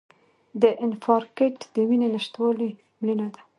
د انفارکټ د وینې نشتوالي مړینه ده.